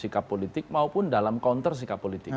sikap politik maupun dalam counter sikap politik